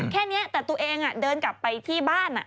แค่นี้แต่ตัวเองเดินกลับไปที่บ้าน